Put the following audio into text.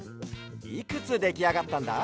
いくつできあがったんだ？